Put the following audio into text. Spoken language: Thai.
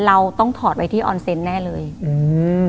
เราต้องถอดไว้ที่ออนเซนต์แน่เลยอืม